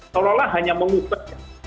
seolah olah hanya mengubahnya